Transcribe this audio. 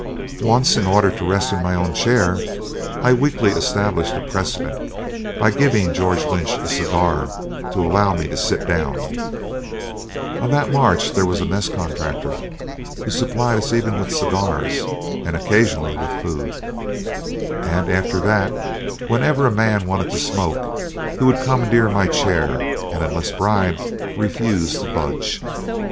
Once, in order to rest in my own chair, I weakly established a precedent by giving George Lynch a cigar to allow me to sit down (on that march there was a mess contractor who supplied us even with cigars, and occasionally with food), and after that, whenever a man wanted to smoke, he would commandeer my chair, and unless bribed refuse to budge.